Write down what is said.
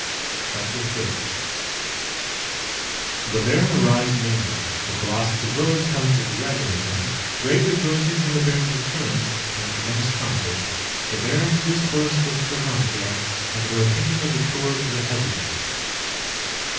CHAPTER XXX _The Baron arrives in England the Colossus of Rhodes comes to congratulate him Great rejoicings on the Baron's return, and a tremendous concert The Baron's discourse with Fragrantia, and her opinion of the Tour to the Hebrides.